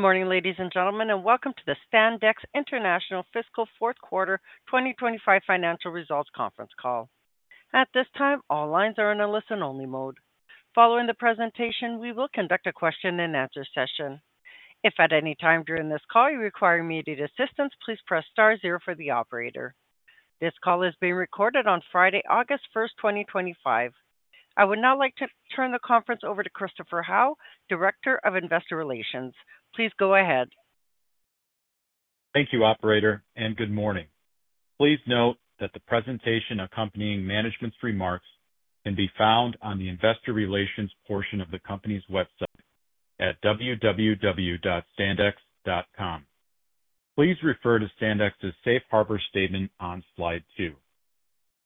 Good morning, ladies and gentlemen, and welcome to the Standex International fiscal fourth quarter 2025 financial results conference call. At this time, all lines are in a listen-only mode. Following the presentation, we will conduct a question and answer session. If at any time during this call you require immediate assistance, please press star zero for the operator. This call is being recorded on Friday, August 1st, 2025. I would now like to turn the conference over to Christopher Howe, Director of Investor Relations. Please go ahead. Thank you, Operator, and good morning. Please note that the presentation accompanying management's remarks can be found on the investor relations portion of the company's website at www.standex.com. Please refer to Standex's safe harbor statement on slide two.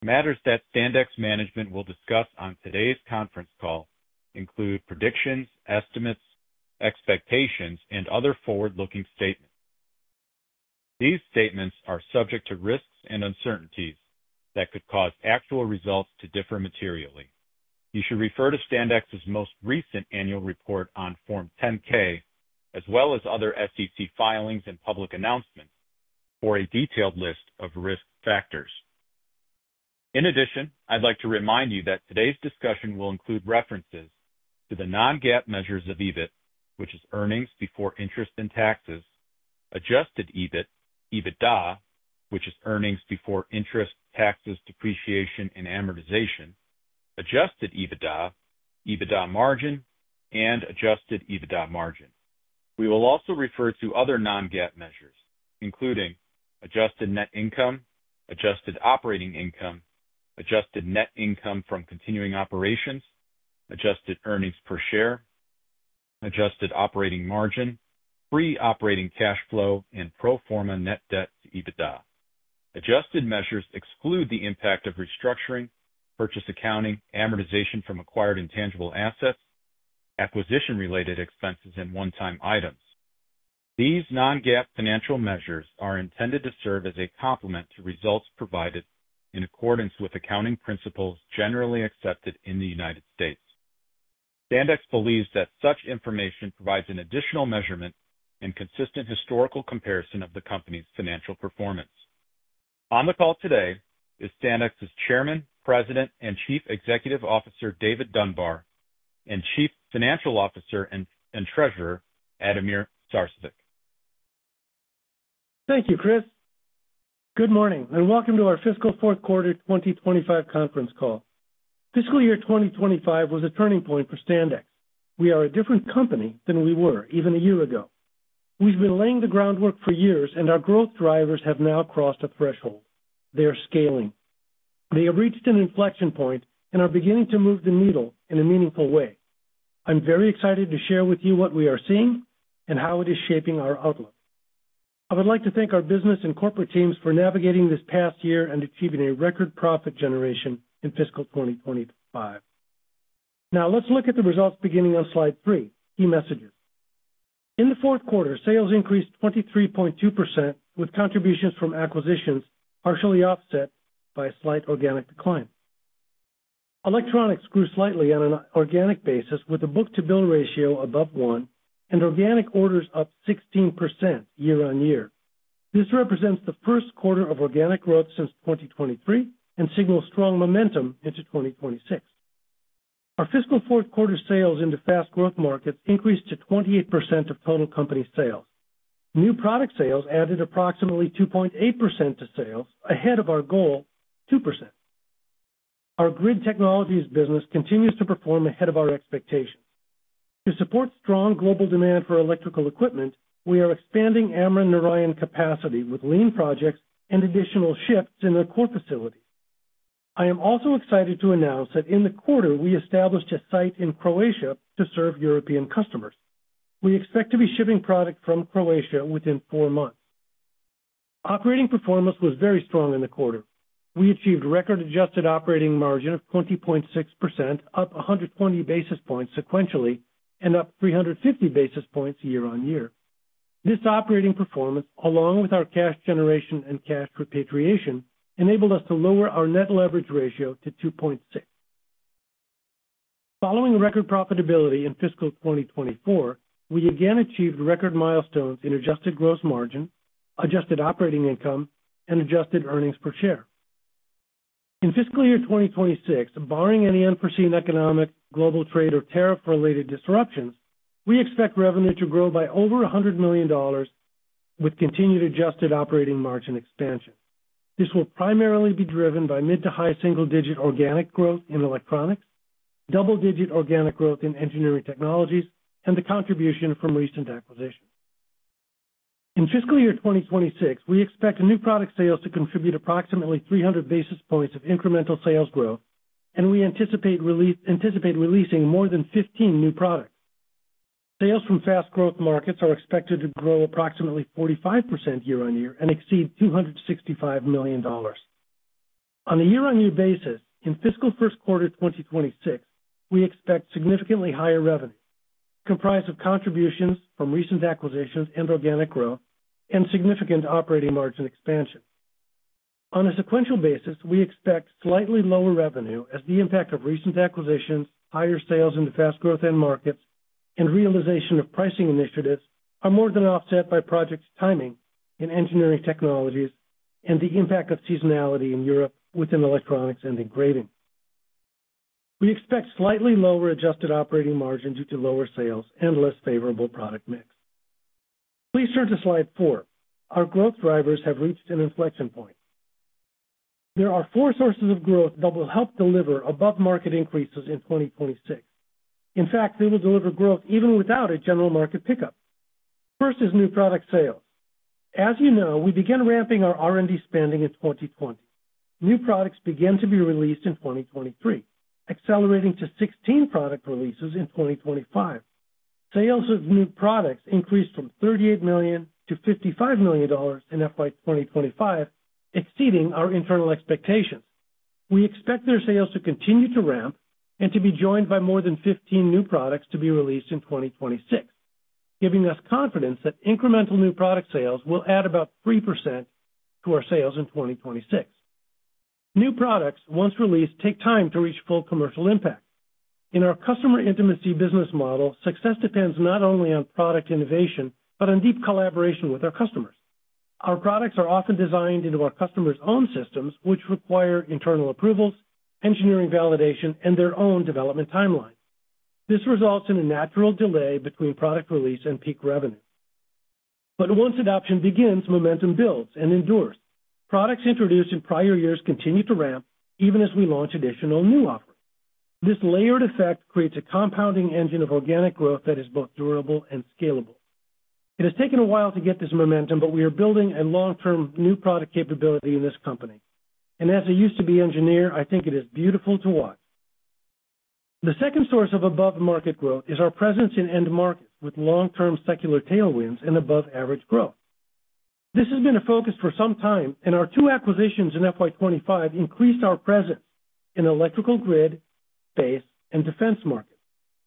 The matters that Standex management will discuss on today's conference call include predictions, estimates, expectations, and other forward-looking statements. These statements are subject to risks and uncertainties that could cause actual results to differ materially. You should refer to Standex's most recent annual report on Form 10-K, as well as other SEC filings and public announcements for a detailed list of risk factors. In addition, I'd like to remind you that today's discussion will include references to the non-GAAP measures of EBIT, which is barnings before interest and taxes, adjusted EBIT, EBITDA, which is earnings before interest, taxes, depreciation, and amortization, adjusted EBITDA, EBITDA margin, and adjusted EBITDA margin. We will also refer to other non-GAAP measures, including adjusted net income, adjusted operating income, adjusted net income from continuing operations, adjusted earnings per share, adjusted operating margin, free operating cash flow, and pro forma net debt to EBITDA. Adjusted measures exclude the impact of restructuring, purchase accounting, amortization from acquired intangible assets, acquisition-related expenses, and one-time items. These non-GAAP financial measures are intended to serve as a complement to results provided in accordance with accounting principles generally accepted in the United States. Standex believes that such information provides an additional measurement and consistent historical comparison of the company's financial performance. On the call today is Standex's Chairman, President, and Chief Executive Officer, David Dunbar, and Chief Financial Officer and Treasurer, Ademir Sarcevic. Thank you, Chris. Good morning and welcome to our fiscal fourth quarter 2025 conference call. Fiscal year 2025 was a turning point for Standex. We are a different company than we were even a year ago. We've been laying the groundwork for years, and our growth drivers have now crossed a threshold. They are scaling. They have reached an inflection point and are beginning to move the needle in a meaningful way. I'm very excited to share with you what we are seeing and how it is shaping our outlook. I would like to thank our business and corporate teams for navigating this past year and achieving a record profit generation in fiscal 2025. Now, let's look at the results beginning on slide three, key messages. In the fourth quarter, sales increased 23.2% with contributions from acquisitions partially offset by a slight organic decline. Electronics grew slightly on an organic basis with a book-to-bill ratio above one and organic orders up 16% year on year. This represents the first quarter of organic growth since 2023 and signals strong momentum into 2026. Our fiscal fourth quarter sales into fast growth markets increased to 28% of total company sales. New product sales added approximately 2.8% to sales, ahead of our goal of 2%. Our grid technologies business continues to perform ahead of our expectations. To support strong global demand for electrical equipment, we are expanding Amran/Narayan capacity with lean projects and additional shifts in the core facilities. I am also excited to announce that in the quarter, we established a site in Croatia to serve European customers. We expect to be shipping product from Croatia within four months. Operating performance was very strong in the quarter. We achieved a record adjusted operating margin of 20.6%, up 120 basis points sequentially, and up 350 basis points year on year. This operating performance, along with our cash generation and cash repatriation, enabled us to lower our net leverage ratio to 2.6x. Following record profitability in fiscal 2024, we again achieved record milestones in adjusted gross margin, adjusted operating income, and adjusted earnings per share. In fiscal year 2026, barring any unforeseen economic, global trade, or tariff-related disruptions, we expect revenue to grow by over $100 million with continued adjusted operating margin expansion. This will primarily be driven by mid to high single-digit organic growth in electronics, double-digit organic growth in engineering technologies, and the contribution from recent acquisitions. In fiscal year 2026, we expect new product sales to contribute approximately 300 basis points of incremental sales growth, and we anticipate releasing more than 15 new products. Sales from fast growth markets are expected to grow approximately 45% year on year and exceed $265 million. On a year-on-year basis, in fiscal first quarter 2026, we expect significantly higher revenue, comprised of contributions from recent acquisitions and organic growth, and significant operating margin expansion. On a sequential basis, we expect slightly lower revenue as the impact of recent acquisitions, higher sales into fast growth end markets, and realization of pricing initiatives are more than offset by project timing in engineering technologies and the impact of seasonality in Europe within electronics and engraving. We expect slightly lower adjusted operating margin due to lower sales and less favorable product mix. Please turn to slide four. Our growth drivers have reached an inflection point. There are four sources of growth that will help deliver above-market increases in 2026. In fact, they will deliver growth even without a general market pickup. First is new product sales. As you know, we began ramping our R&D spending in 2020. New products began to be released in 2023, accelerating to 16 product releases in 2025. Sales of new products increased from $38 million to $55 million in FY 2025, exceeding our internal expectations. We expect their sales to continue to ramp and to be joined by more than 15 new products to be released in 2026, giving us confidence that incremental new product sales will add about 3% to our sales in 2026. New products, once released, take time to reach full commercial impact. In our customer intimacy business model, success depends not only on product innovation but on deep collaboration with our customers. Our products are often designed into our customers' own systems, which require internal approvals, engineering validation, and their own development timelines. This results in a natural delay between product release and peak revenue. Once adoption begins, momentum builds and endures. Products introduced in prior years continue to ramp even as we launch additional new offerings. This layered effect creates a compounding engine of organic growth that is both durable and scalable. It has taken a while to get this momentum, but we are building a long-term new product capability in this company. As a used-to-be engineer, I think it is beautiful to watch. The second source of above-market growth is our presence in end markets with long-term secular tailwinds and above-average growth. This has been a focus for some time, and our two acquisitions in FY 2025 increased our presence in the electrical grid, space, and defense markets,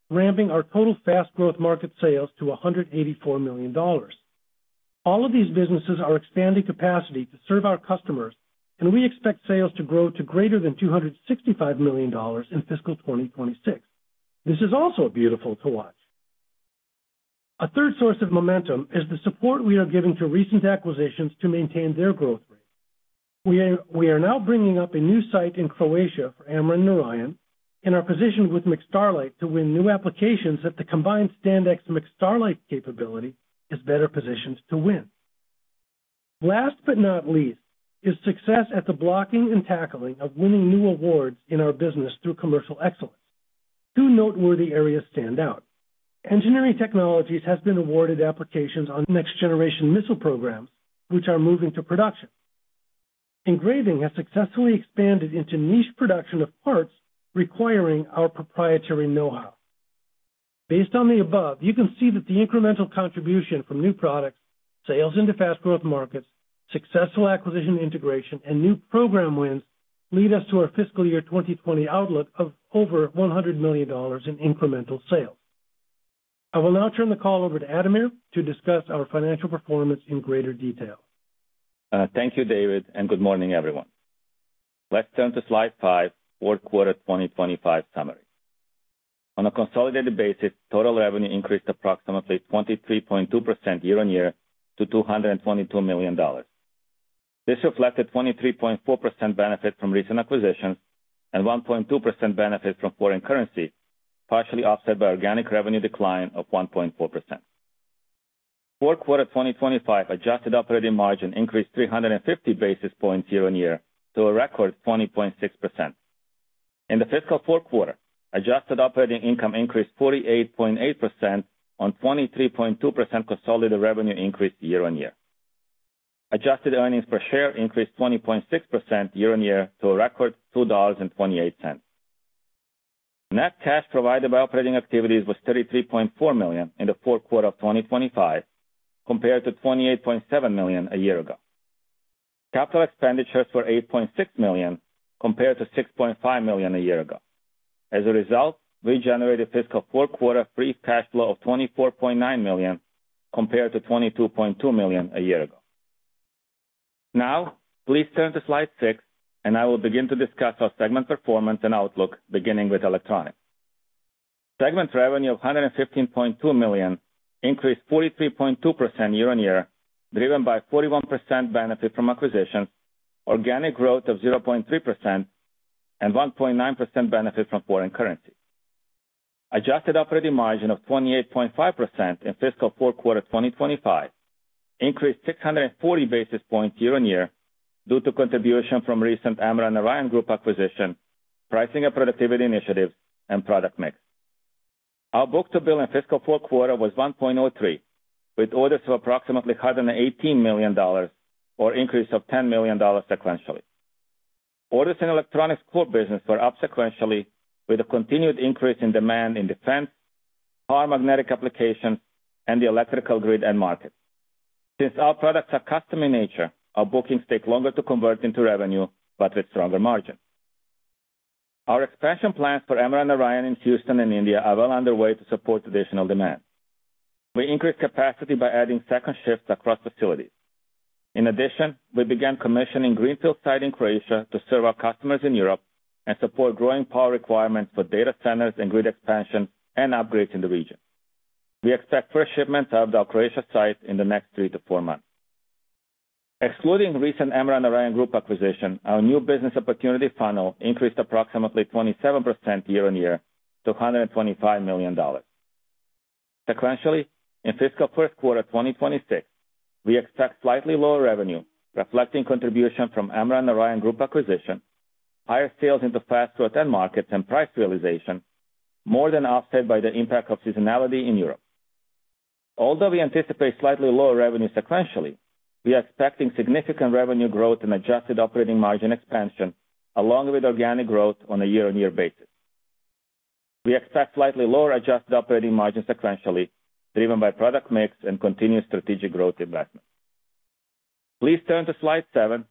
ramping our total fast growth market sales to $184 million. All of these businesses are expanding capacity to serve our customers, and we expect sales to grow to greater than $265 million in fiscal 2026. This is also beautiful to watch. A third source of momentum is the support we are giving to recent acquisitions to maintain their growth rate. We are now bringing up a new site in Croatia for Amran/Narayan, and our position with McStarlite to win new applications that the combined Standex McStarlite capability is better positioned to win. Last but not least is success at the blocking and tackling of winning new awards in our business through commercial excellence. Two noteworthy areas stand out. Engineering technologies has been awarded applications on next-generation missile programs, which are moving to production. Engraving has successfully expanded into niche production of parts requiring our proprietary know-how. Based on the above, you can see that the incremental contribution from new products, sales into fast growth markets, successful acquisition integration, and new program wins lead us to our fiscal year 2026 outlook of over $100 million in incremental sales. I will now turn the call over to Ademir to discuss our financial performance in greater detail. Thank you, David, and good morning, everyone. Let's turn to slide five, fourth quarter 2025 summary. On a consolidated basis, total revenue increased approximately 23.2% year on year to $222 million. This reflects a 23.4% benefit from recent acquisitions and 1.2% benefit from foreign currency, partially offset by organic revenue decline of 1.4%. Fourth quarter 2025 adjusted operating margin increased 350 basis points year on year to a record 20.6%. In the fiscal fourth quarter, adjusted operating income increased 48.8% on 23.2% consolidated revenue increase year on year. Adjusted earnings per share increased 20.6% year on year to a record $2.28. Net cash provided by operating activities was $33.4 million in the fourth quarter of 2025, compared to $28.7 million a year ago. Capital expenditures were $8.6 million compared to $6.5 million a year ago. As a result, we generated fiscal fourth quarter free cash flow of $24.9 million compared to $22.2 million a year ago. Now, please turn to slide six, and I will begin to discuss our segment performance and outlook, beginning with electronics. Segment revenue of $115.2 million increased 43.2% year on year, driven by a 41% benefit from acquisitions, organic growth of 0.3%, and 1.9% benefit from foreign currency. Adjusted operating margin of 28.5% in fiscal fourth quarter 2025 increased 640 basis points year on year due to contribution from recent Amran/Narayan Group acquisition, pricing and productivity initiatives, and product mix. Our book-to-bill in fiscal fourth quarter was 1.03, with orders of approximately $118 million or an increase of $10 million sequentially. Orders in electronics core business were up sequentially, with a continued increase in demand in defense, power magnetic applications, and the electrical grid end market. Since our products are custom in nature, our bookings take longer to convert into revenue, but with stronger margins. Our expansion plans for Amran/Narayan in Houston and India are well underway to support additional demand. We increased capacity by adding second shifts across facilities. In addition, we began commissioning greenfield site in Croatia to serve our customers in Europe and support growing power requirements for data centers and grid expansion and upgrades in the region. We expect first shipments of our Croatia site in the next three to four months. Excluding recent Amran/Narayan Group acquisition, our new business opportunity funnel increased approximately 27% year on year to $125 million. Sequentially, in fiscal first quarter 2026, we expect slightly lower revenue, reflecting contribution from Amran/Narayan Group acquisition, higher sales into fast growth end markets, and price realization, more than offset by the impact of seasonality in Europe. Although we anticipate slightly lower revenue sequentially, we are expecting significant revenue growth and adjusted operating margin expansion, along with organic growth on a year-on-year basis. We expect slightly lower adjusted operating margin sequentially, driven by product mix and continued strategic growth investments. Please turn to slide seven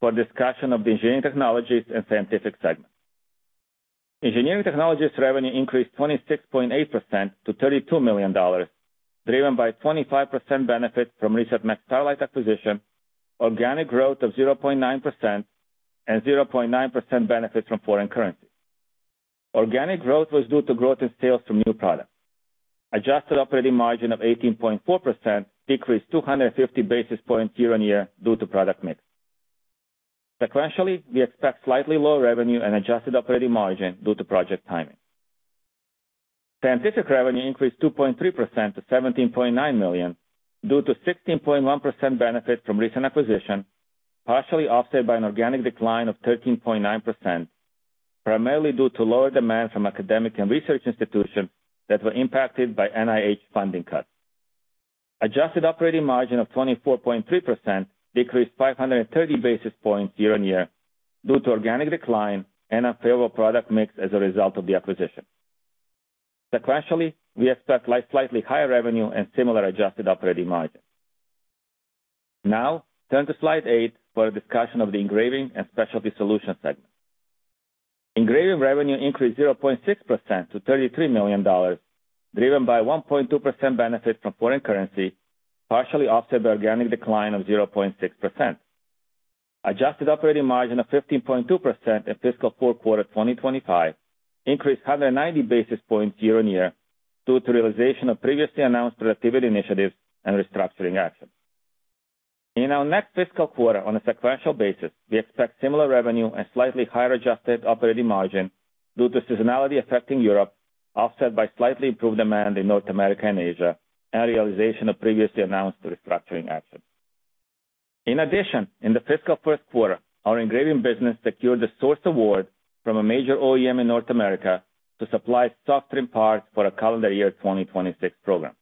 for a discussion of the engineering technologies and scientific segment. Engineering tchnologies revenue increased 26.8% to $32 million, driven by a 25% benefit from recent McStarlite acquisition, organic growth of 0.9%, and 0.9% benefit from foreign currency. Organic growth was due to growth in sales from new products. Adjusted operating margin of 18.4% decreased 250 basis points year on year due to product mix. Sequentially, we expect slightly lower revenue and adjusted operating margin due to project timing. Scientific revenue increased 2.3% to $17.9 million due to 16.1% benefit from recent acquisition, partially offset by an organic decline of 13.9%, primarily due to lower demand from academic and research institutions that were impacted by NIH funding cuts. Adjusted operating margin of 24.3% decreased 530 basis points year on year due to organic decline and unfavorable product mix as a result of the acquisition. Sequentially, we expect slightly higher revenue and similar adjusted operating margins. Now, turn to slide eight for a discussion of the engraving and specialty solutions segment. Engraving revenue increased 0.6% to $33 million, driven by a 1.2% benefit from foreign currency, partially offset by an organic decline of 0.6%. Adjusted operating margin of 15.2% in fiscal fourth quarter 2025 increased 190 basis points year on year due to realization of previously announced productivity initiatives and restructuring actions. In our next fiscal quarter, on a sequential basis, we expect similar revenue and slightly higher adjusted operating margin due to seasonality affecting Europe, offset by slightly improved demand in North America and Asia, and realization of previously announced restructuring actions. In addition, in the fiscal first quarter, our engraving business secured the source award from a major OEM in North America to supply soft trim parts for a calendar year 2026 program.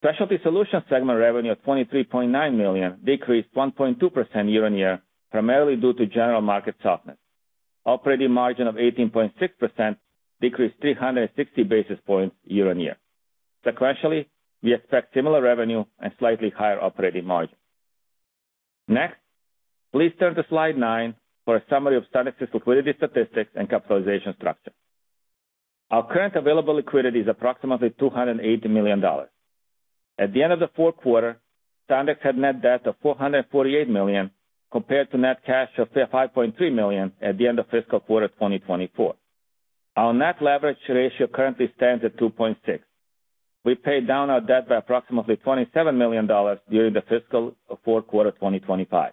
Specialty solutions segment revenue of $23.9 million decreased 1.2% year on year, primarily due to general market softness. Operating margin of 18.6% decreased 360 basis points year on year. Sequentially, we expect similar revenue and slightly higher operating margin. Next, please turn to slide nine for a summary of Standex's liquidity statistics and capitalization structure. Our current available liquidity is approximately $280 million. At the end of the fourth quarter, Standex had net debt of $448 million compared to net cash of $5.3 million at the end of fiscal quarter 2024. Our net leverage ratio currently stands at 2.6x. We paid down our debt by approximately $27 million during the fiscal fourth quarter 2025.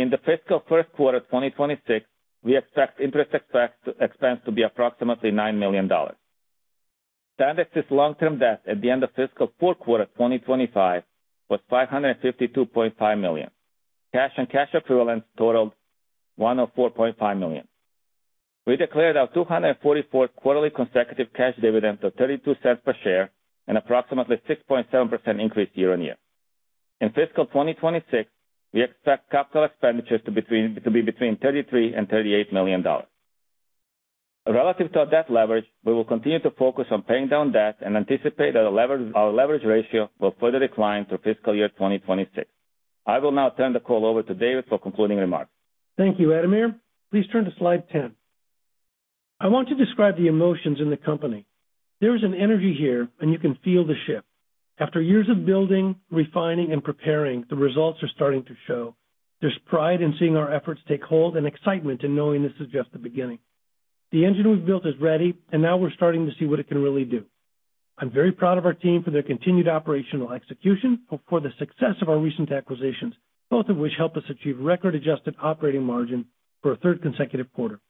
In the fiscal first quarter 2026, we expect interest expense to be approximately $9 million. Standex's long-term debt at the end of fiscal fourth quarter 2025 was $552.5 million. Cash and cash equivalents totaled $104.5 million. We declared our 244th quarterly consecutive cash dividend of $0.32 per share and approximately 6.7% increase year on year. In fiscal 2026, we expect capital expenditures to be between $33 million and $38 million. Relative to our debt leverage, we will continue to focus on paying down debt and anticipate that our leverage ratio will further decline through fiscal year 2026. I will now turn the call over to David for concluding remarks. Thank you, Ademir. Please turn to slide 10. I want to describe the emotions in the company. There is an energy here, and you can feel the shift. After years of building, refining, and preparing, the results are starting to show. There's pride in seeing our efforts take hold and excitement in knowing this is just the beginning. The engine we've built is ready, and now we're starting to see what it can really do. I'm very proud of our team for their continued operational execution and for the success of our recent acquisitions, both of which helped us achieve record adjusted operating margin for a third consecutive quarter.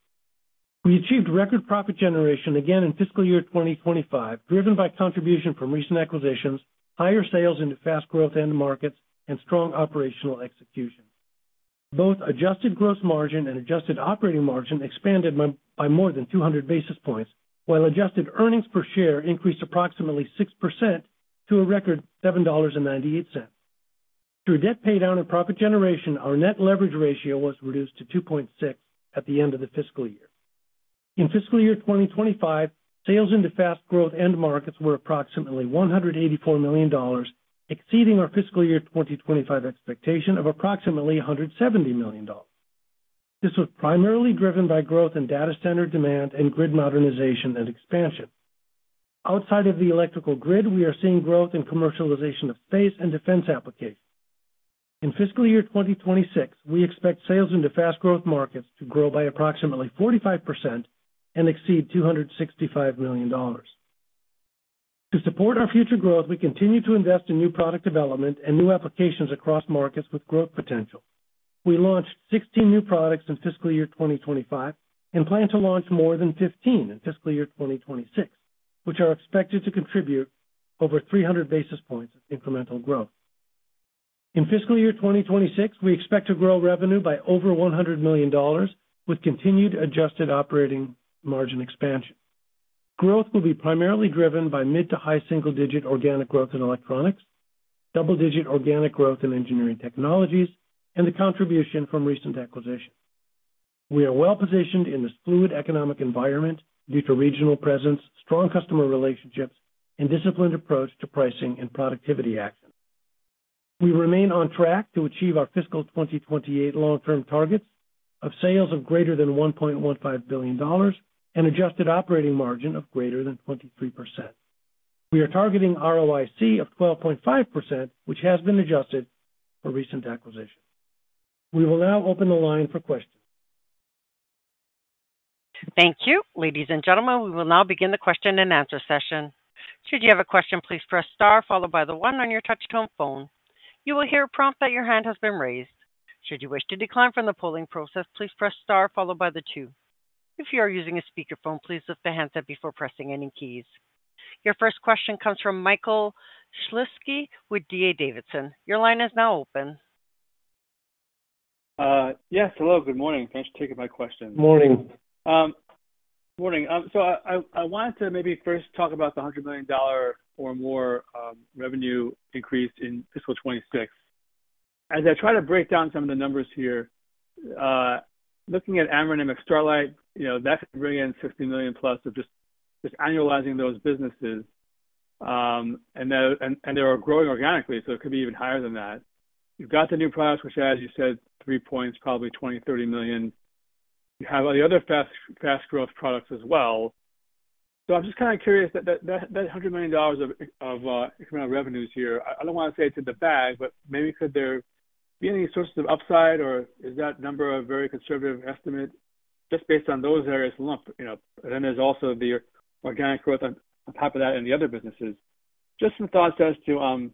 We achieved record profit generation again in fiscal year 2025, driven by contribution from recent acquisitions, higher sales into fast growth end markets, and strong operational execution. Both adjusted gross margin and adjusted operating margin expanded by more than 200 basis points, while adjusted earnings per share increased approximately 6% to a record $7.98. Through debt paydown and profit generation, our net leverage ratio was reduced to 2.6x at the end of the fiscal year. In fiscal year 2025, sales into fast growth end markets were approximately $184 million, exceeding our fiscal year 2025 expectation of approximately $170 million. This was primarily driven by growth in data center demand and grid modernization and expansion. Outside of the electrical grid, we are seeing growth in commercialization of space and defense applications. In fiscal year 2026, we expect sales into fast growth markets to grow by approximately 45% and exceed $265 million. To support our future growth, we continue to invest in new product development and new applications across markets with growth potential. We launched 16 new products in fiscal year 2025 and plan to launch more than 15 in fiscal year 2026, which are expected to contribute over 300 basis points of incremental growth. In fiscal year 2026, we expect to grow revenue by over $100 million with continued adjusted operating margin expansion. Growth will be primarily driven by mid to high single-digit organic growth in electronics, double-digit organic growth in engineering technologies, and the contribution from recent acquisitions. We are well positioned in this fluid economic environment due to regional presence, strong customer relationships, and a disciplined approach to pricing and productivity actions. We remain on track to achieve our fiscal 2028 long-term targets of sales of greater than $1.15 billion and adjusted operating margin of greater than 23%. We are targeting ROIC of 12.5%, which has been adjusted for recent acquisitions. We will now open the line for questions. Thank you, ladies and gentlemen. We will now begin the question and answer session. Should you have a question, please press star followed by the one on your touch-tone phone. You will hear a prompt that your hand has been raised. Should you wish to decline from the polling process, please press star followed by the two. If you are using a speakerphone, please lift the handset before pressing any keys. Your first question comes from Mike Shlisky with D.A. Davidson. Your line is now open. Yes, hello, good morning. Thanks for taking my question. Morning. Morning. I wanted to maybe first talk about the $100 million or more revenue increase in fiscal 2026. As I try to break down some of the numbers here, looking at Amran and McStarlite, that could bring in $60+ million of just annualizing those businesses. They are growing organically, so it could be even higher than that. You've got the new products, which are, as you said, three points, probably $20 million-$30 million. You have all the other fast growth products as well. I'm just kind of curious that $100 million of incremental revenues here, I don't want to say it's in the bag, but maybe could there be any sources of upside, or is that number a very conservative estimate just based on those areas? There's also the organic growth on top of that and the other businesses. Just some thoughts as to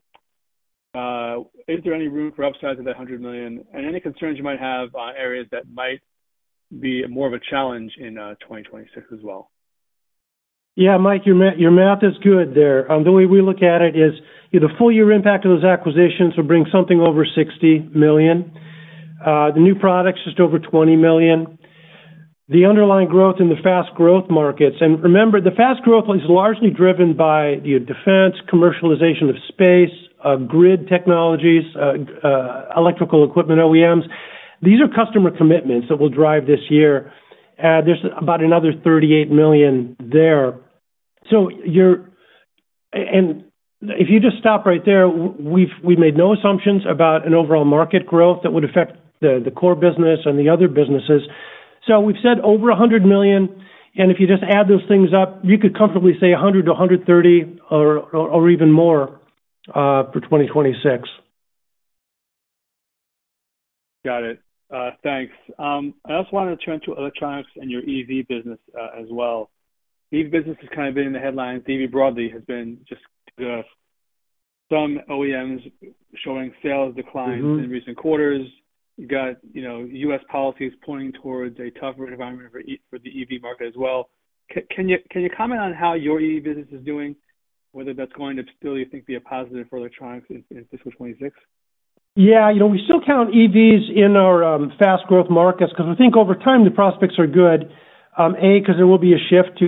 is there any room for upsides of that $100 million and any concerns you might have on areas that might be more of a challenge in 2026 as well. Yeah, Mike, your math is good there. The way we look at it is the full-year impact of those acquisitions would bring something over $60 million. The new products, just over $20 million. The underlying growth in the fast growth markets, and remember, the fast growth is largely driven by the defense, commercialization of space, grid technologies, electrical equipment OEMs. These are customer commitments that will drive this year. There's about another $38 million there. If you just stop right there, we've made no assumptions about an overall market growth that would affect the core business and the other businesses. We've said over $100 million, and if you just add those things up, you could comfortably say $100 million-$130 million or even more for 2026. Got it. Thanks. I also wanted to turn to electronics and your EV business as well. EV business has kind of been in the headlines. EV broadly has been just good. Some OEMs showing sales declines in recent quarters. You've got U.S. policies pointing towards a tougher environment for the EV market as well. Can you comment on how your EV business is doing, whether that's going to still, you think, be a positive for electronics in fiscal 2026? Yeah, you know we still count EVs in our fast growth markets because we think over time the prospects are good. A, because there will be a shift to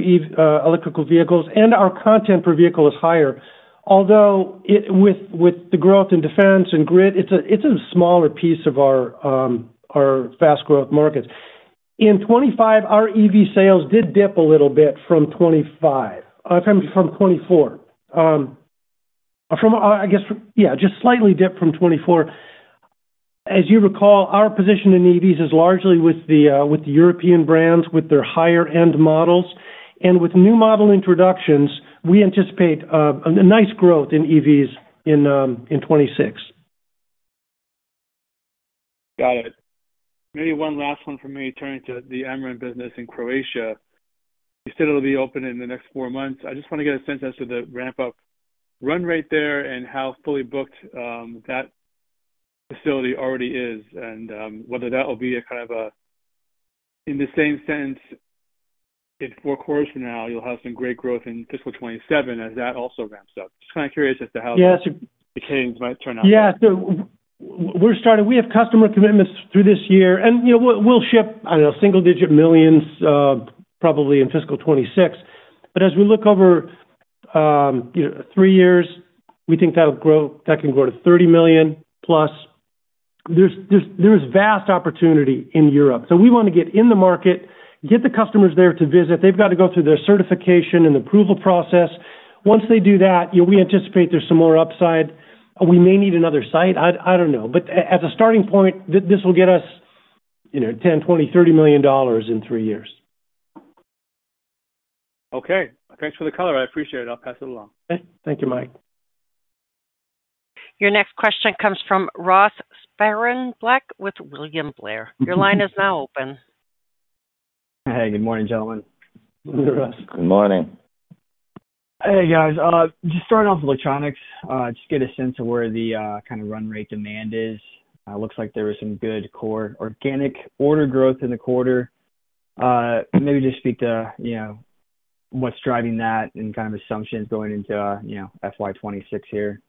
electric vehicles, and our content per vehicle is higher. Although with the growth in defense and grid, it's a smaller piece of our fast growth markets. In 2025, our EV sales did dip a little bit from 2025, from 2024. I guess, yeah, just slightly dip from 2024. As you recall, our position in EVs is largely with the European brands, with their higher-end models, and with new model introductions, we anticipate a nice growth in EVs in 2026. Got it. Maybe one last one from me, turning to the Amran business in Croatia. You said it'll be open in the next four months. I just want to get a sense as to the ramp-up run rate there and how fully booked that facility already is and whether that will be a kind of a, in the same sense, in four quarters from now, you'll have some great growth in fiscal 2027 as that also ramps up. Just kind of curious as to how the kinks might turn out. Yeah, we're starting, we have customer commitments through this year, and you know we'll ship, I don't know, single-digit millions probably in fiscal 2026. As we look over three years, we think that can grow to $30+ million. There's vast opportunity in Europe. We want to get in the market, get the customers there to visit. They've got to go through their certification and approval process. Once they do that, you know we anticipate there's some more upside. We may need another site. I don't know. As a starting point, this will get us, you know, $10 million, $20 million, $30 million in three years. Okay, thanks for the color. I appreciate it. I'll pass it along. Okay, thank you, Mike. Your next question comes from Ross Sparenblek with William Blair. Your line is now open. Hey, good morning, gentlemen. Hello, Ross. Good morning. Hey, guys. Starting off with electronics, just get a sense of where the kind of run rate demand is. It looks like there was some good core organic order growth in the quarter. Maybe just speak to what's driving that and kind of assumptions going into FY 2026 here.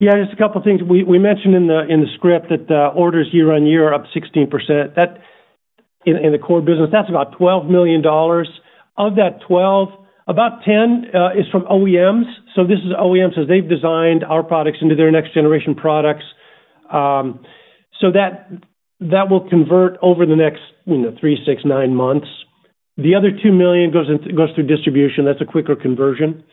Yeah, just a couple of things. We mentioned in the script that orders year on year are up 16%. In the core business, that's about $12 million. Of that $12 million, about $10 million is from OEMs. This is OEMs as they've designed our products into their next-generation products. That will convert over the next, you know, three, six, nine months. The other $2 million goes through distribution. That's a quicker conversion.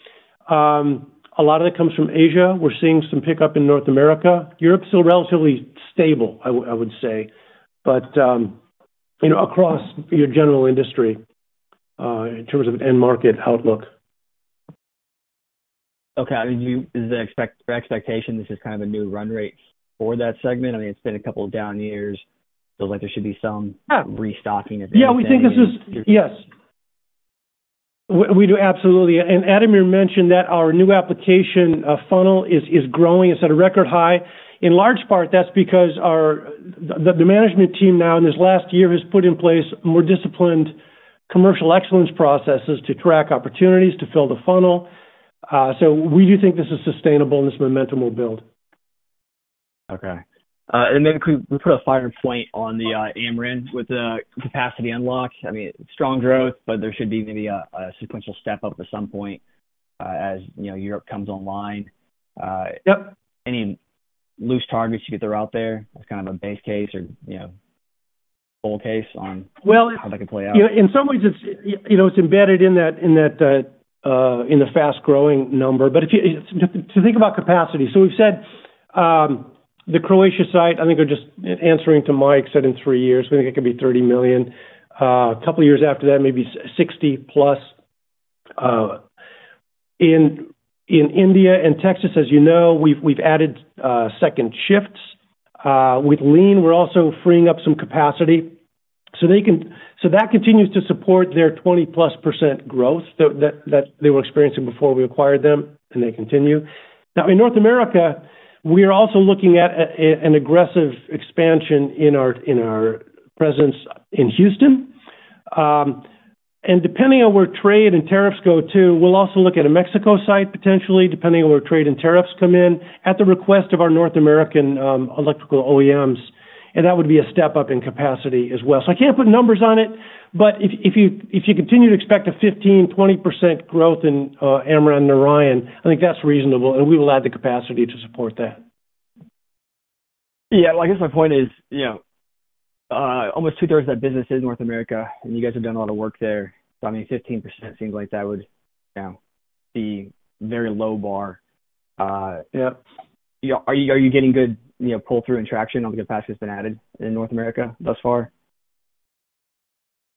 A lot of it comes from Asia. We're seeing some pickup in North America. Europe's still relatively stable, I would say. Across your general industry, in terms of an end market outlook. Okay. I mean, is the expectation this is kind of a new run rate for that segment? I mean, it's been a couple of down years. It feels like there should be some restocking of it. Yes, we do absolutely. Ademir mentioned that our new application funnel is growing. It's at a record high. In large part, that's because the management team now in this last year has put in place more disciplined commercial excellence processes to track opportunities to fill the funnel. We do think this is sustainable and this momentum will build. Okay. Maybe we put a finer point on the Amran with the capacity unlock. I mean, strong growth, but there should be maybe a sequential step up at some point as Europe comes online. Yep. Any loose targets you could throw out there as kind of a base case or, you know, bold case on how that could play out? Yeah, in some ways, it's embedded in that in the fast growth number. If you think about capacity, we've said the Croatia site, I think we're just answering to Mike, said in three years, we think it could be $30 million. A couple of years after that, maybe $60+ million. In India and Texas, as you know, we've added second shifts. With lean, we're also freeing up some capacity. That continues to support their 20%+ growth that they were experiencing before we acquired them, and they continue. In North America, we are also looking at an aggressive expansion in our presence in Houston. Depending on where trade and tariffs go, we'll also look at a Mexico site potentially, depending on where trade and tariffs come in, at the request of our North American electrical OEMs. That would be a step up in capacity as well. I can't put numbers on it, but if you continue to expect a 15%-20% growth in Amran/Narayan, I think that's reasonable, and we will add the capacity to support that. I guess my point is, you know, almost 2/3 of that business is North America, and you guys have done a lot of work there. I mean, 15% seems like that would, you know, be a very low bar. Yep. Are you getting good pull-through and traction on the capacity that's been added in North America thus far?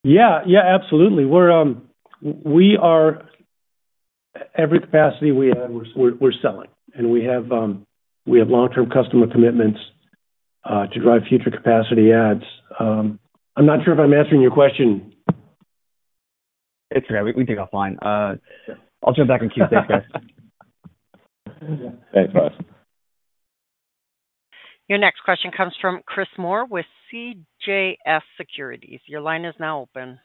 Yeah, absolutely. We are, every capacity we add, we're selling. We have long-term customer commitments to drive future capacity adds. I'm not sure if I'm answering your question. It's okay. We can take offline. I'll turn it back and keep it safe, thanks. Thanks, Ross. Your next question comes from Chris Moore with CJS Securities. Your line is now open.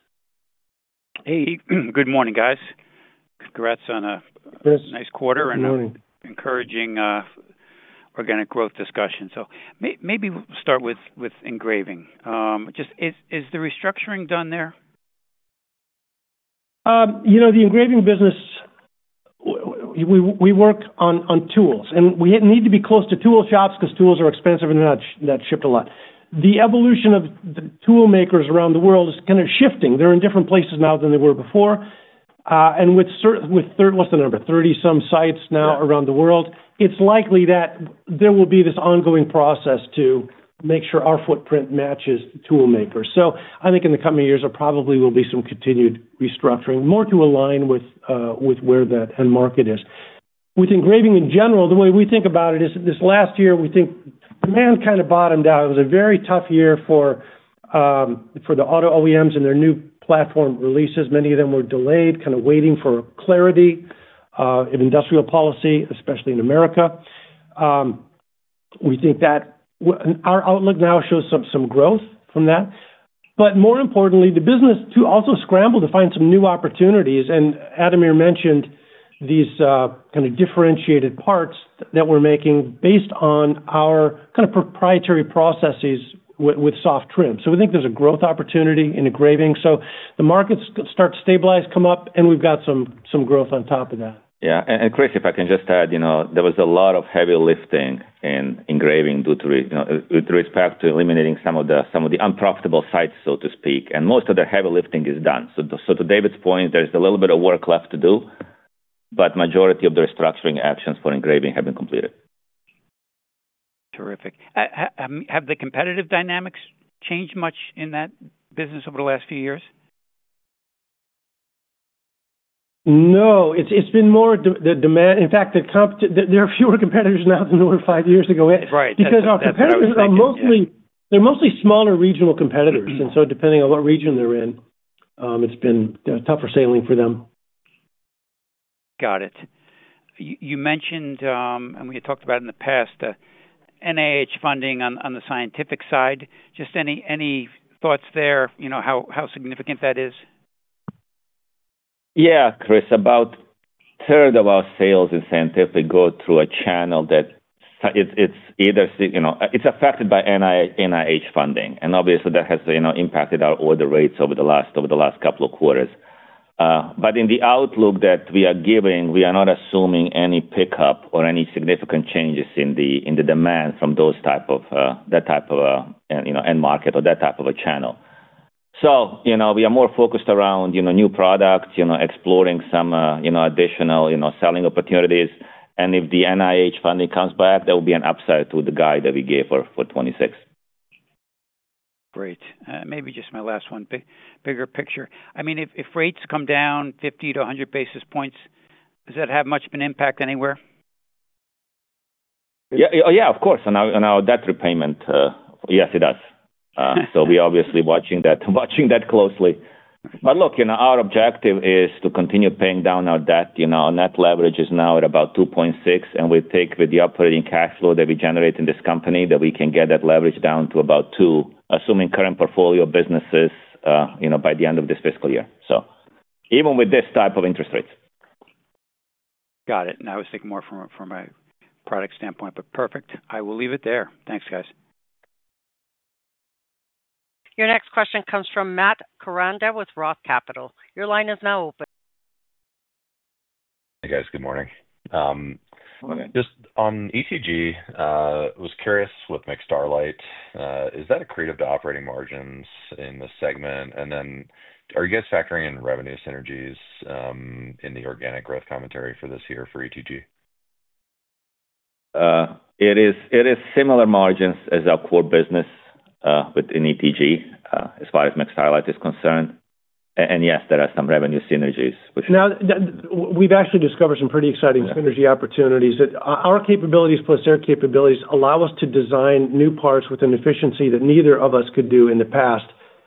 Hey, good morning, guys. Congrats on a nice quarter and encouraging organic growth discussion. Maybe we'll start with engraving. Is the restructuring done there? You know, the engraving business, we work on tools, and we need to be close to tool shops because tools are expensive and they're not shipped a lot. The evolution of the tool makers around the world is kind of shifting. They're in different places now than they were before. With less than, a number, 30-some sites now around the world, it's likely that there will be this ongoing process to make sure our footprint matches the tool makers. I think in the coming years, there probably will be some continued restructuring, more to align with where that end market is. With engraving in general, the way we think about it is this last year, we think demand kind of bottomed out. It was a very tough year for the auto OEMs and their new platform releases. Many of them were delayed, kind of waiting for clarity of industrial policy, especially in America. We think that our outlook now shows some growth from that. More importantly, the business also scrambled to find some new opportunities. Ademir mentioned these kind of differentiated parts that we're making based on our kind of proprietary processes with soft trim. We think there's a growth opportunity in engraving. The markets start to stabilize, come up, and we've got some growth on top of that. Yeah, and Chris, if I can just add, you know, there was a lot of heavy lifting in engraving due to respect to eliminating some of the unprofitable sites, so to speak. Most of the heavy lifting is done. To David's point, there's a little bit of work left to do, but the majority of the restructuring actions for engraving have been completed. Terrific. Have the competitive dynamics changed much in that business over the last few years? No, it's been more the demand. In fact, there are fewer competitors now than there were five years ago. Right. Because our competitors are mostly smaller regional competitors, depending on what region they're in, it's been tougher sailing for them. Got it. You mentioned, and we had talked about it in the past, NIH funding on the scientific side. Just any thoughts there, you know, how significant that is? Yeah, Chris, about a third of our sales in scientific go through a channel that is either, you know, affected by NIH funding. Obviously, that has impacted our order rates over the last couple of quarters. In the outlook that we are giving, we are not assuming any pickup or any significant changes in the demand from that type of an end market or that type of a channel. We are more focused around new products, exploring some additional selling opportunities. If the NIH funding comes back, that will be an upside to the guide that we gave for 2026. Great. Maybe just my last one, bigger picture. I mean, if rates come down 50-100 basis points, does that have much of an impact anywhere? Of course. Our debt repayment, yes, it does. We're obviously watching that closely. Look, our objective is to continue paying down our debt. Our net leverage is now at about 2.6x, and we take with the operating cash flow that we generate in this company that we can get that leverage down to about 2x, assuming current portfolio businesses, by the end of this fiscal year, even with this type of interest rates. Got it. I was thinking more from a product standpoint, but perfect. I will leave it there. Thanks, guys. Your next question comes from Matt Koranda with Roth Capital. Your line is now open. Hey, guys, good morning. Okay, just on ETG, I was curious with McStarlite. Is that accretive to operating margins in the segment? Are you guys factoring in revenue synergies in the organic growth commentary for this year for ETG? It is similar margins as our core business within ETG as far as McStarlite is concerned. Yes, there are some revenue synergies which. Now, we've actually discovered some pretty exciting synergy opportunities that our capabilities plus their capabilities allow us to design new parts with an efficiency that neither of us could do in the past.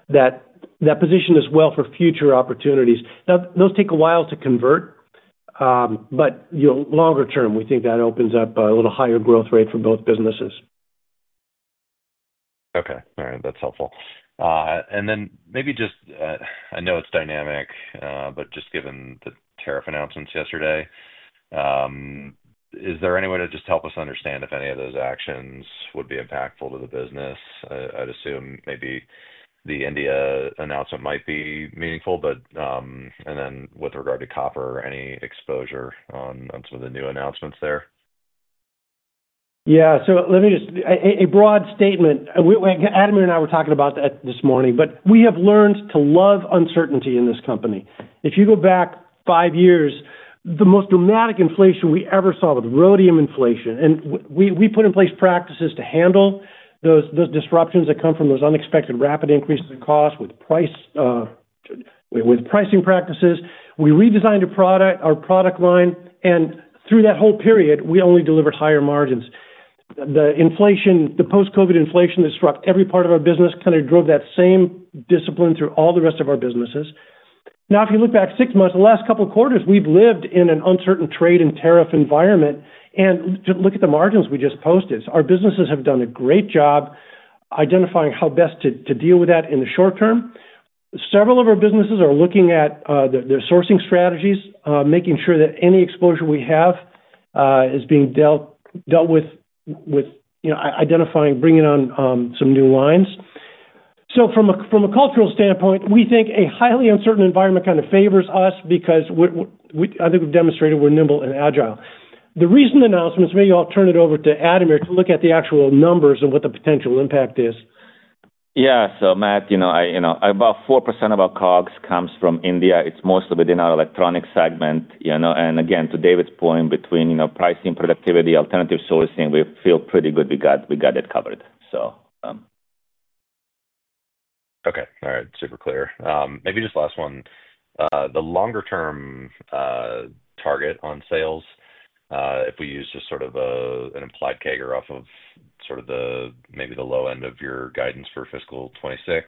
That positions us well for future opportunities. Now, those take a while to convert, but you know, longer term, we think that opens up a little higher growth rate for both businesses. Okay. All right, that's helpful. Maybe just, I know it's dynamic, but just given the tariff announcements yesterday, is there any way to help us understand if any of those actions would be impactful to the business? I'd assume maybe the India announcement might be meaningful, and then with regard to copper, any exposure on some of the new announcements there? Yeah, let me just make a broad statement. Ademir and I were talking about that this morning, but we have learned to love uncertainty in this company. If you go back five years, the most dramatic inflation we ever saw was rhodium inflation, and we put in place practices to handle those disruptions that come from those unexpected rapid increases in cost with pricing practices. We redesigned our product line, and through that whole period, we only delivered higher margins. The inflation, the post-COVID inflation that struck every part of our business, kind of drove that same discipline through all the rest of our businesses. If you look back six months, the last couple of quarters, we've lived in an uncertain trade and tariff environment, and look at the margins we just posted. Our businesses have done a great job identifying how best to deal with that in the short term. Several of our businesses are looking at their sourcing strategies, making sure that any exposure we have is being dealt with, identifying, bringing on some new lines. From a cultural standpoint, we think a highly uncertain environment kind of favors us because I think we've demonstrated we're nimble and agile. The recent announcements, maybe I'll turn it over to Ademir to look at the actual numbers and what the potential impact is. Yeah, so Matt, you know, about 4% of our COGS comes from India. It's mostly within our electronics segment, you know, and again, to David's point, between pricing, productivity, alternative sourcing, we feel pretty good we got it covered. Okay, all right, super clear. Maybe just last one. The longer-term target on sales, if we use just sort of an implied CAGR off of sort of the maybe the low end of your guidance for fiscal 2026,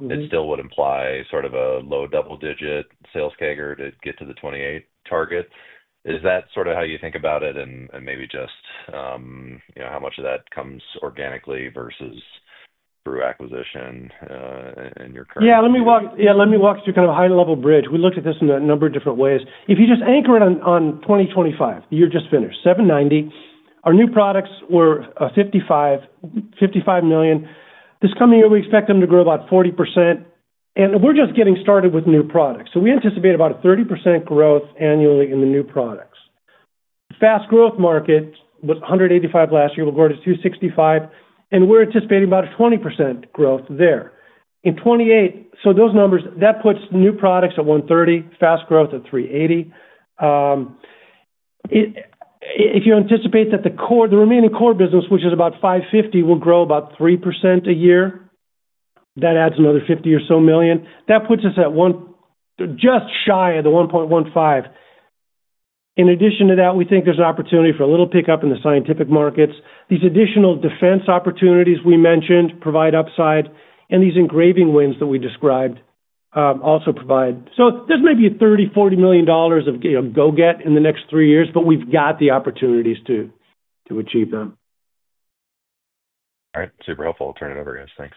it still would imply sort of a low double-digit sales CAGR to get to the 2028 target. Is that sort of how you think about it, and maybe just, you know, how much of that comes organically versus through acquisition in your current? Yeah, let me walk through kind of a high-level bridge. We looked at this in a number of different ways. If you just anchor it on 2025, the year just finished, $790 million, our new products were $55 million. This coming year, we expect them to grow about 40%. We're just getting started with new products, so we anticipate about a 30% growth annually in the new products. Fast growth market was $185 million last year, we'll go to $265 million, and we're anticipating about a 20% growth there. In 2028, those numbers put new products at $130 million, fast growth at $380 million. If you anticipate that the remaining core business, which is about $550 million, will grow about 3% a year, that adds another $50 million or so. That puts us just shy of the $1.15 billion. In addition to that, we think there's an opportunity for a little pickup in the scientific markets. These additional defense opportunities we mentioned provide upside, and these engraving wins that we described also provide. This may be a $30 million-$40 million of go get in the next three years, but we've got the opportunities to achieve them. All right, super helpful. I'll turn it over, guys. Thanks.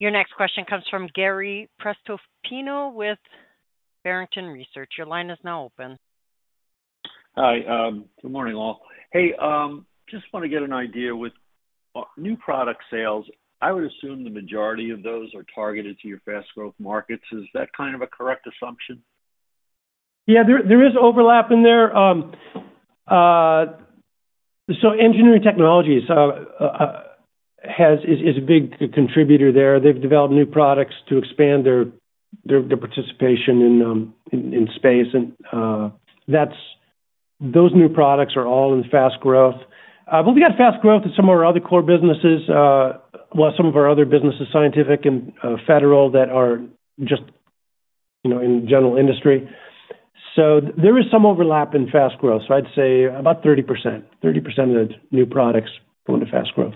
Your next question comes from Gary Prestopino with Barrington Research. Your line is now open. Hi, good morning, all. Just want to get an idea with new product sales. I would assume the majority of those are targeted to your fast growth markets. Is that kind of a correct assumption? Yeah, there is overlap in there. Engineering technologies is a big contributor there. They've developed new products to expand their participation in space, and those new products are all in fast growth. We've got fast growth in some of our other core businesses, some of our other businesses, scientific and federal, that are just, you know, in the general industry. There is some overlap in fast growth. I'd say about 30%. 30% of the new products go into fast growth.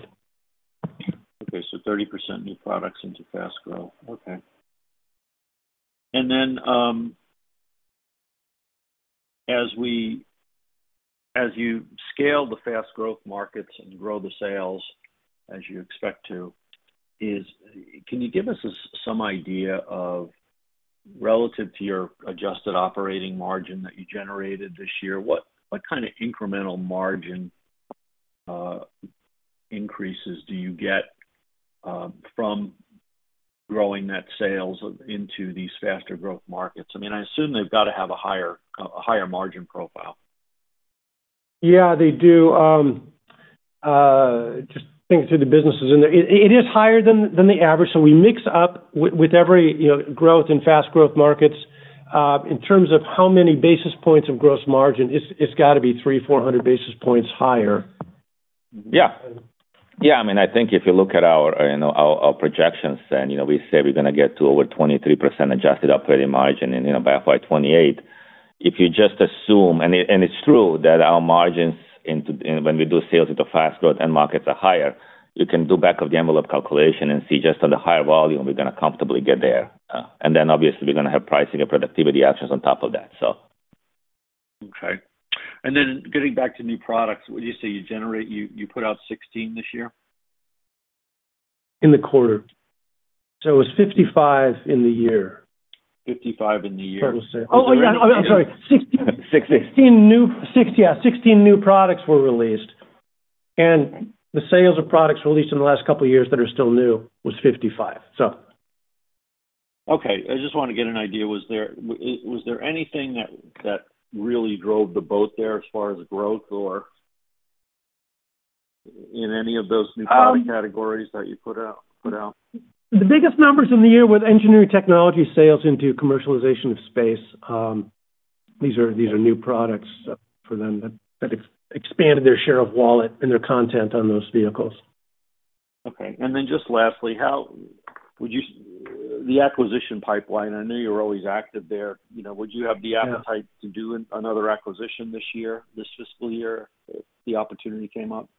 Okay, so 30% new products into fast growth. As you scale the fast-growth markets and grow the sales as you expect to, can you give us some idea of, relative to your adjusted operating margin that you generated this year, what kind of incremental margin increases do you get from growing that sales into these faster-growth markets? I mean, I assume they've got to have a higher margin profile. Yeah, they do. Just think through the businesses in there. It is higher than the average. We mix up with every growth in fast growth markets. In terms of how many basis points of gross margin, it's got to be 300-400 basis points higher. Yeah, I mean, I think if you look at our projections and we say we're going to get to over 23% adjusted operating margin by FY 2028, if you just assume, and it's true that our margins when we do sales into fast growth end markets are higher, you can do back of the envelope calculation and see just on the higher volume we're going to comfortably get there. Obviously, we're going to have pricing and productivity actions on top of that. Okay. Getting back to new products, what did you say you generate? You put out 16 this year? In the quarter, it was 55 in the year. 55 in the year. Oh, yeah, I'm sorry. 16. 16. 16, yeah, 16 new products were released. The sales of products released in the last couple of years that are still new was $55 million. Okay, I just wanted to get an idea. Was there anything that really drove the boat there as far as growth or in any of those new product categories that you put out? The biggest numbers in the year were the engineering technologies sales into commercialization of space. These are new products for them that expanded their share of wallet and their content on those vehicles. Okay. Lastly, how would you describe the acquisition pipeline? I know you're always active there. Would you have the appetite to do another acquisition this year, this fiscal year if the opportunity came up?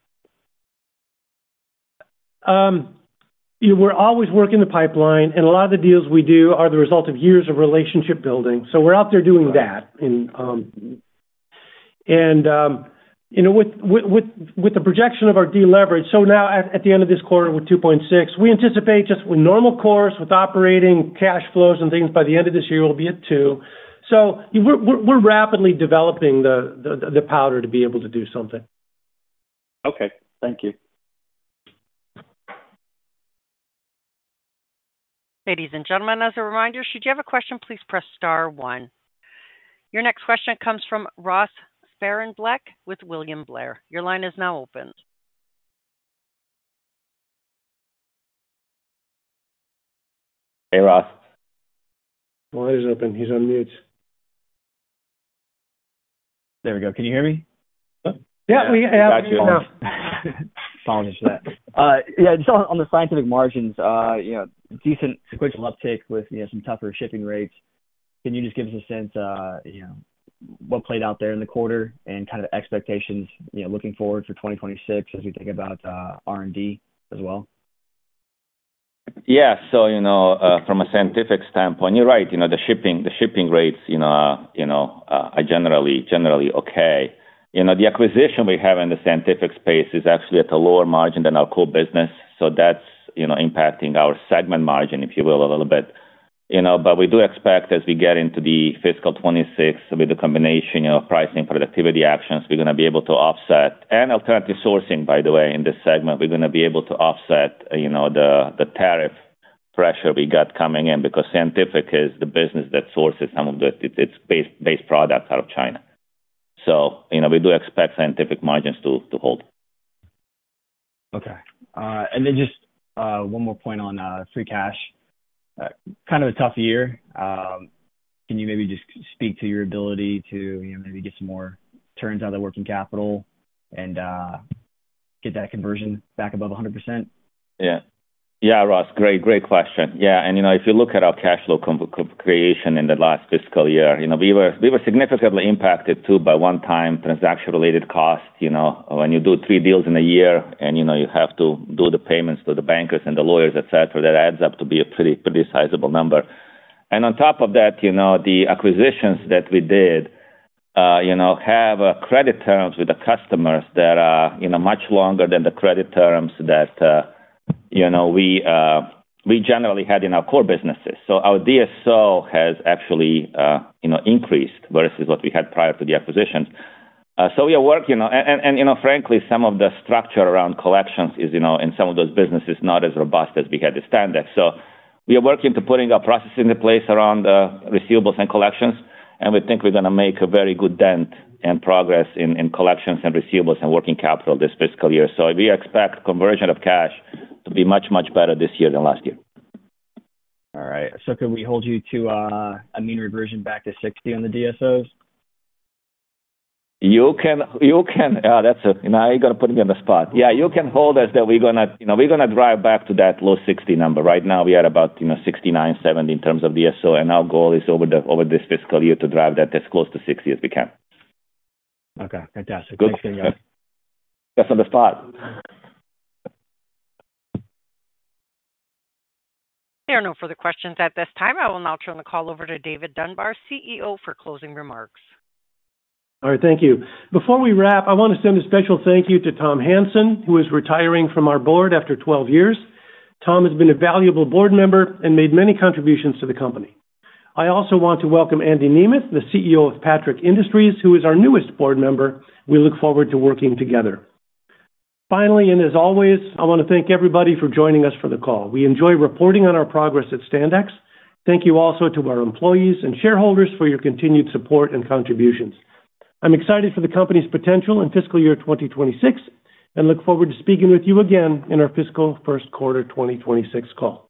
We're always working the pipeline, and a lot of the deals we do are the result of years of relationship building. We're out there doing that. With the projection of our de-leverage, now at the end of this quarter we're 2.6x. We anticipate just with normal course, with operating cash flows and things, by the end of this year we'll be at 2x. We're rapidly developing the powder to be able to do something. Okay, thank you. Ladies and gentlemen, as a reminder, should you have a question, please press star one. Your next question comes from Ross Sparenblek with William Blair. Your line is now open. Hey, Ross. He's open. He's on mute. There we go. Can you hear me? Yeah, I'm here. Apologies for that. Yeah, just on the scientific margins, you know, decent sequential uptick with, you know, some tougher shipping rates. Can you just give us a sense, you know, what played out there in the quarter and kind of expectations, you know, looking forward for 2026 as we think about R&D as well? Yeah, from a scientific standpoint, you're right, the shipping rates are generally okay. The acquisition we have in the scientific space is actually at a lower margin than our core business, so that's impacting our segment margin a little bit. We do expect as we get into fiscal 2026 with the combination of pricing and productivity actions, we're going to be able to offset, and alternative sourcing, by the way, in this segment, we're going to be able to offset the tariff pressure we have coming in because scientific is the business that sources some of its base products out of China. We do expect scientific margins to hold. Okay. Just one more point on free cash. Kind of a tough year. Can you maybe just speak to your ability to maybe get some more turns out of the working capital and get that conversion back above 100%? Yeah. Yeah, Ross, great question. If you look at our cash flow creation in the last fiscal year, we were significantly impacted too by one-time transaction-related cost. When you do three deals in a year and you have to do the payments to the bankers and the lawyers, etc., that adds up to be a pretty sizable number. On top of that, the acquisitions that we did have credit terms with the customers that are much longer than the credit terms that we generally had in our core businesses. Our DSO has actually increased versus what we had prior to the acquisitions. We are working, and frankly, some of the structure around collections is, in some of those businesses, not as robust as we had at Standex. We are working to put our processes into place around the receivables and collections, and we think we're going to make a very good dent and progress in collections and receivables and working capital this fiscal year. We expect conversion of cash to be much, much better this year than last year. All right. Can we hold you to a mean reversion back to 60 on the DSOs? You can, that's a, now you're going to put me on the spot. Yeah, you can hold us that we're going to, you know, we're going to drive back to that low 60 number. Right now we are at about, you know, 69, 70 in terms of DSO, and our goal is over this fiscal year to drive that as close to 60 as we can. Okay. Fantastic. Thanks again, guys. That's on the spot. There are no further questions at this time. I will now turn the call over to David Dunbar, CEO, for closing remarks. All right, thank you. Before we wrap, I want to send a special thank you to Tom Hansen, who is retiring from our board after 12 years. Tom has been a valuable board member and made many contributions to the company. I also want to welcome Andy Nemeth, the CEO of Patrick Industries, who is our newest board member. We look forward to working together. Finally, and as always, I want to thank everybody for joining us for the call. We enjoy reporting on our progress at Standex. Thank you also to our employees and shareholders for your continued support and contributions. I'm excited for the company's potential in fiscal year 2026 and look forward to speaking with you again in our fiscal first quarter 2026 call.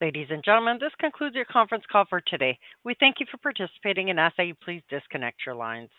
Ladies and gentlemen, this concludes your conference call for today. We thank you for participating and ask that you please disconnect your lines.